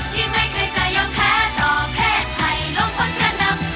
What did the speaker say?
ที่ไม่เคยจะยอมแพ้ต่อเพศภัยลงคนกระดัง